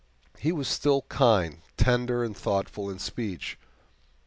He was still kind, tender, and thoughtful in speech.